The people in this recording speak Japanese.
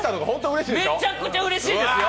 めっちゃくちゃうれしいですよ。